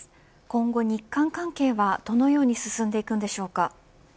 今後日韓関係はどのように進んでいくのでしょうか。